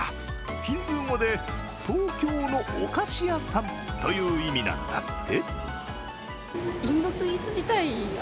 ヒンズー語で東京のお菓子屋さんという意味なんだって。